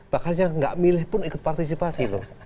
bahkan yang nggak milih pun ikut partisipasi loh